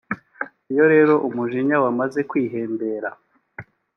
Iyo rero umujinya wamaze kwihembera